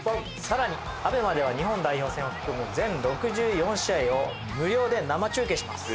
更にＡＢＥＭＡでは日本代表戦を含む全６４試合を無料で生中継します。